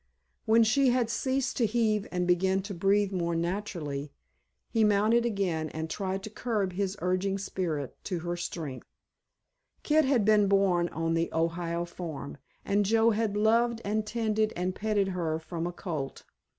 When she had ceased to heave and began to breathe more naturally he mounted again and tried to curb his urging spirit to her strength. Kit had been born on the Ohio farm, and Joe had loved and tended and petted her from a colt.